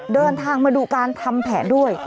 เดินทางมาดูการทำแผนด้วย